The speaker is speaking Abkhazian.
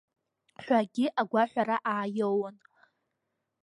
Ҳәагьы агәаҳәара ааиоуон.